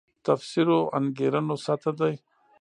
تفسیرو انګېرنو سطح دی.